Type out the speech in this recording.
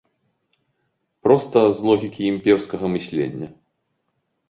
Проста з логікі імперскага мыслення.